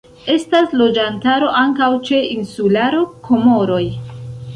Estas loĝantaro ankaŭ ĉe insularo Komoroj.